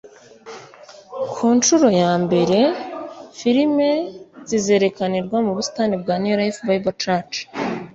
Ku nshuro ya mbere filime zizerekanirwa mu busitani bwa New Life Bible Church